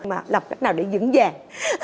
mà làm cách nào để dững dàng